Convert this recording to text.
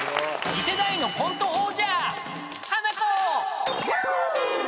［次世代のコント王者］